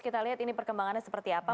kita lihat ini perkembangannya seperti apa